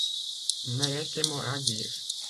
Mais laissez-moi dire.